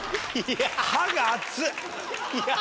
「歯が熱い」。